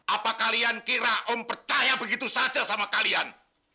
apa kalian kira om percaya begitu saja sama kalian